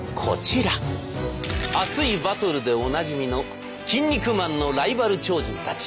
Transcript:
熱いバトルでおなじみの「キン肉マン」のライバル超人たち。